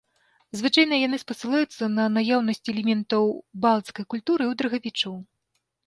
Звычайна яны спасылаюцца на наяўнасць элементаў балцкай культуры ў дрыгавічоў.